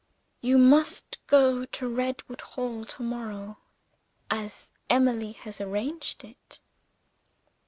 You must go to Redwood Hall tomorrow, as Emily has arranged it.